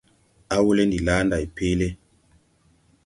Awelɛ ndi da laa nday peele.